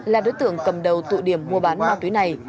là đối tượng cầm đầu tụ điểm mua bán ma túy này